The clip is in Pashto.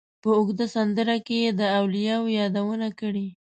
په اوږده سندره کې یې د اولیاوو یادونه کړې.